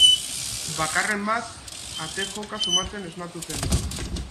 Bakarren bat ate joka sumatzean esnatu zen.